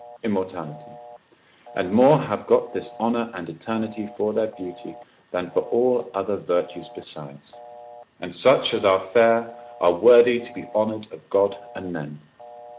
immortality; and more have got this honour and eternity for their beauty, than for all other virtues besides: and such as are fair, are worthy to be honoured of God and men.